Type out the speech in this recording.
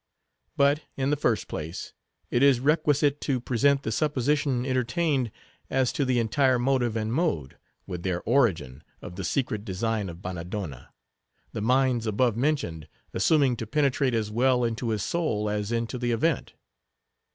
But, in the first place, it is requisite to present the supposition entertained as to the entire motive and mode, with their origin, of the secret design of Bannadonna; the minds above mentioned assuming to penetrate as well into his soul as into the event.